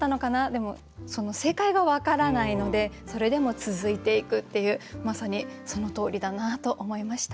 でも正解が分からないのでそれでも続いていくっていうまさにそのとおりだなと思いました。